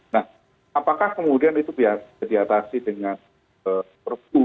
nah apakah kemudian itu biasa diatasi dengan perpu